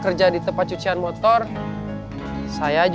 aku karena gak tolong berze